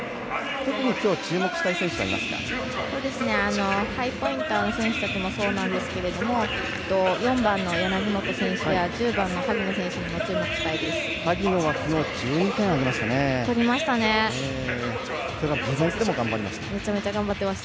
特に今日ハイポインターの選手たちもそうなんですけれども４番の柳本選手や１０番の萩野選手にも期待したいです。